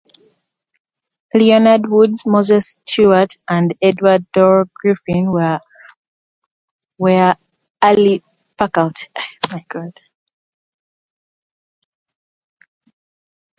Leonard Woods, Moses Stuart, and Edward Dorr Griffin were early faculty.